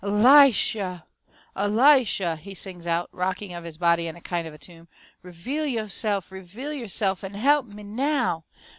"ELISHyah! ELISHyah!" he sings out, rocking of his body in a kind of tune, "reveal yo'se'f, reveal yo'se'f an' he'p me NOW!